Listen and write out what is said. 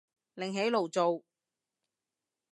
另起爐灶